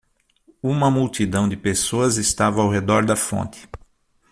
Uma multidão de pessoas estava ao redor da fonte.